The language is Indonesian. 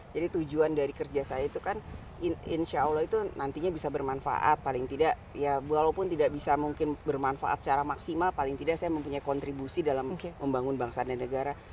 jadi tujuan dari kerja saya itu kan insya allah itu nantinya bisa bermanfaat paling tidak ya walaupun tidak bisa mungkin bermanfaat secara maksimal paling tidak saya mempunyai kontribusi dalam membangun bangsa dan negara